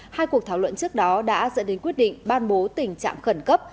hai cuộc thảo luận trước đó đã dẫn đến quyết định ban bố tình trạng khẩn cấp